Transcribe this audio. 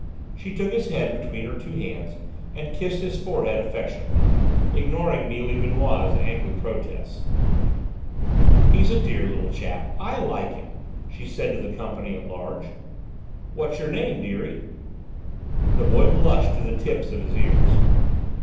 She took his head between her two hands and kissed his forehead affectionately, ignoring Mealy Benoît's angry protests. "He's a dear little chap: I like him," she said to the company at large. "What's your name, deary?" The boy blushed to the tips of his ears.